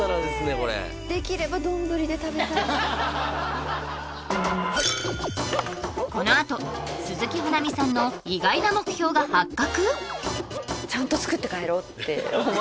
これできれば丼で食べたいこのあと鈴木保奈美さんの意外な目標が発覚？